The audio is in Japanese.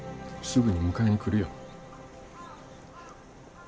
すぐに迎えに来るよ。